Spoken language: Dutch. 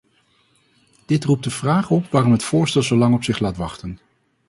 Dit roept de vraag op waarom het voorstel zo lang op zich laat wachten.